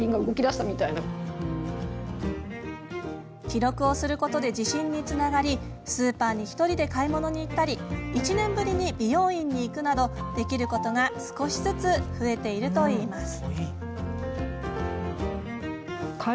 記録をすることで自信につながり、スーパーに１人で買い物に行ったり１年ぶりに美容院に行くなどできることが少しずつ増えているといいます。